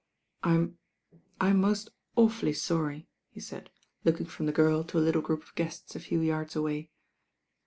"I'm — I'm most awfully sorry," he taid, looking from the ^rl to a little group of guettt a few yardt away.